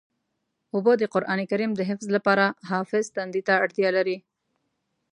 اوبه د قرآن کریم د حفظ لپاره حافظ تندې ته اړتیا لري.